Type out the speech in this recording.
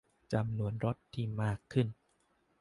- จำนวนรถที่มากขึ้น